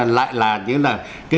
lại là như là